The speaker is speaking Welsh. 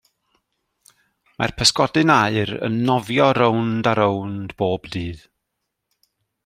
Mae'r pysgodyn aur yn nofio rownd a rownd bob dydd.